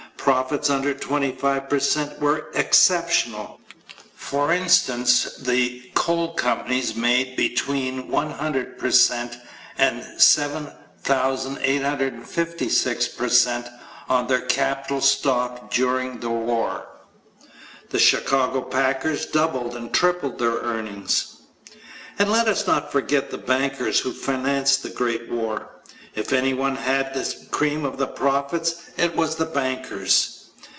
Profits under 25 per cent were exceptional. For instance the coal companies made between 100 per cent and 7,856 per cent on their capital stock during the war. The Chicago packers doubled and tripled their earnings. And let us not forget the bankers who financed the great war. If anyone had the cream of the profits it was the bankers.